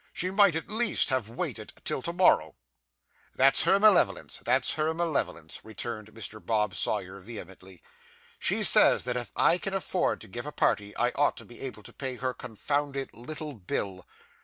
She might at least have waited till to morrow.' 'That's her malevolence that's her malevolence,' returned Mr. Bob Sawyer vehemently. 'She says that if I can afford to give a party I ought to be able to pay her confounded "little bill."